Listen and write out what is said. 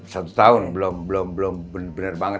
satu tahun belum bener banget